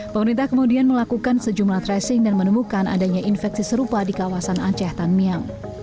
pemerintah kemudian melakukan sejumlah tracing dan menemukan adanya infeksi serupa di kawasan aceh tan miang